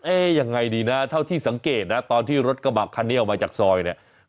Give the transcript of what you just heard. ยังไงดีนะเท่าที่สังเกตนะตอนที่รถกระบะคันนี้ออกมาจากซอยเนี่ย